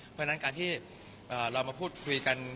เพราะฉะนั้นการที่เรามาพูดคุยกัน